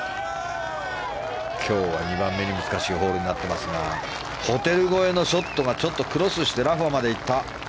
今日は２番目に難しいホールになっていますがホテル越えのショットがクロスしてラフまで行った。